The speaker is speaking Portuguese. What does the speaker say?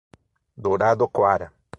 Douradoquara